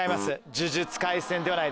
『呪術廻戦』ではない。